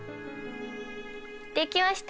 できました！